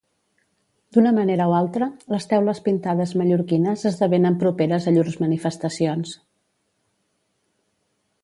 D'una manera o altra, les teules pintades mallorquines esdevenen properes a llurs manifestacions.